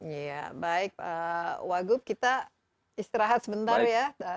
iya baik pak wagub kita istirahat sebentar ya